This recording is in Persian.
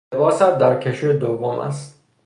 لباست در کشوی دوم است